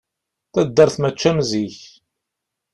Taddart mačči am zik.